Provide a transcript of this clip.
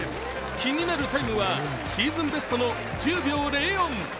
気になるタイムはシーズンベストの１０秒０４。